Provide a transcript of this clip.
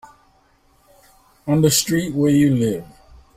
On the street where you live.